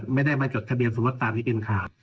ไม่ได้มาจดทะเบียนสมมติตามที่เป็นข่าว